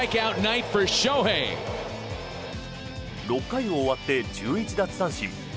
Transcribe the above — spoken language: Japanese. ６回を終わって１１奪三振。